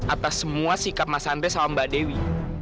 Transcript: atas semua sikap mas andre sama mbak dewi